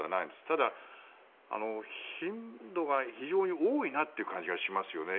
ただ、頻度が非常に多いなという感じがしますよね。